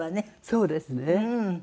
そうですね。